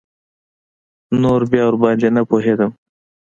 نور بيا ورباندې نه پوهېدم.